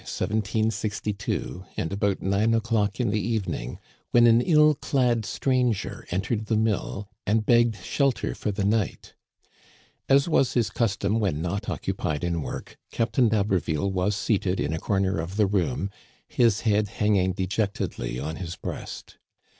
215 It was the 22d of February, 1762, and about nine o'clock in the evening, when an ill clad stranger entered the mill and begged shelter for the night. As was his custom when not occupied in work, Captain d'Haber ville was seated in a corner of the room, his head hang ing dejectedly on his breast.